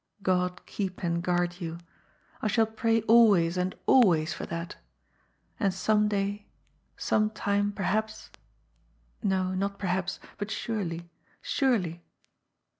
God keep and guard you! I shall pray always and always for that THE TOCSIN 15 And some day, some time perhaps no, not perhaps, but surely, surely